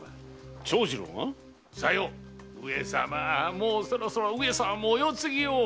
もうそろそろ上様もお世継ぎを！